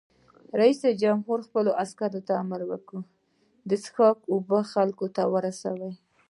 رئیس جمهور خپلو عسکرو ته امر وکړ؛ د څښاک اوبه خلکو ته ورسوئ!